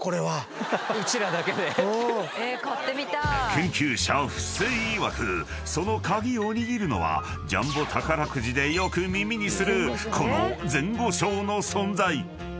［研究者布施いわくその鍵を握るのはジャンボ宝くじでよく耳にするこの前後賞の存在］